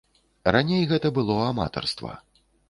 Раней гэта было аматарства.